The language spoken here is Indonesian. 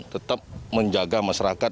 tetap menjaga masyarakat